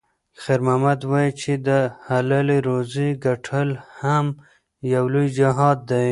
خیر محمد وایي چې د حلالې روزۍ ګټل هم یو لوی جهاد دی.